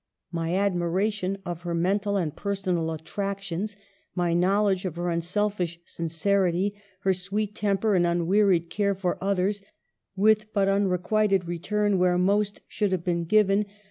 My admiration of her mental and personal attractions, my knowledge of her unselfish sincerity, her sweet temper, and unwearied care for others, with but unrequited return where most should have been given